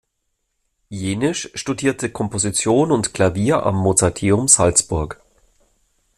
Jenisch studierte Komposition und Klavier am Mozarteum Salzburg.